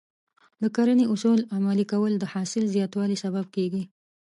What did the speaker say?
د کرنې اصول عملي کول د حاصل زیاتوالي سبب کېږي.